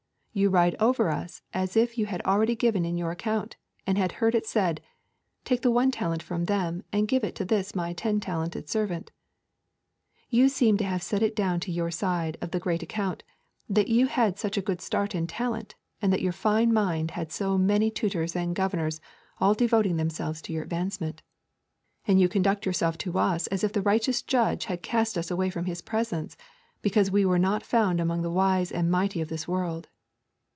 You ride over us as if you had already given in your account, and had heard it said, Take the one talent from them and give it to this my ten talented servant. You seem to have set it down to your side of the great account, that you had such a good start in talent, and that your fine mind had so many tutors and governors all devoting themselves to your advancement. And you conduct yourself to us as if the Righteous Judge had cast us away from His presence, because we were not found among the wise and mighty of this world.